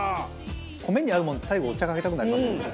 米に合うものって最後お茶かけたくなりますよね。